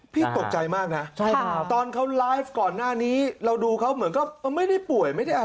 ตกใจมากนะตอนเขาไลฟ์ก่อนหน้านี้เราดูเขาเหมือนก็ไม่ได้ป่วยไม่ได้อะไร